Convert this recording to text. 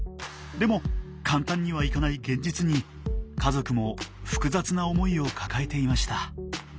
でも簡単にはいかない現実に家族も複雑な思いを抱えていました。